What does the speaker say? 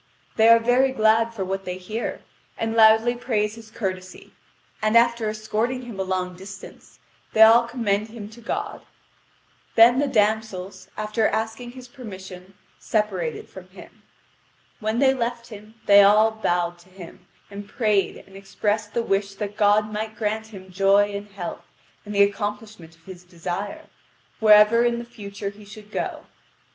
They are very glad for what they hear, and loudly praise his courtesy, and after escorting him a long distance, they all commend him to God. Then the damsels, after asking his permission, separated from him. When they left him, they all bowed to him, and prayed and expressed the wish that God might grant him joy and health, and the accomplishment of his desire, wherever in the future he should go.